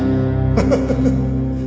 ハハハハ！